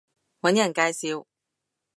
搵人介紹